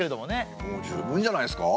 もう十分じゃないですか？